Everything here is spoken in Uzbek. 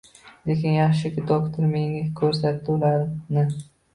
Lekin yaxshiki doktor menga ko’rsatdi ularni.